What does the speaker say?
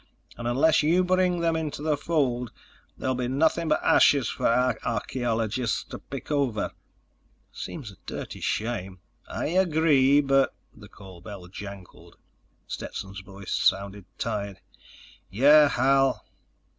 And unless you bring them into the fold, there'll be nothing but ashes for our archaeologists to pick over." "Seems a dirty shame." "I agree, but—" The call bell jangled. Stetson's voice sounded tired: "Yeah, Hal?"